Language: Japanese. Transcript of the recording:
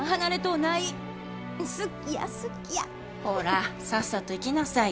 ほらさっさと行きなさいよ。